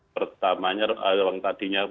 pertamanya ruang tadinya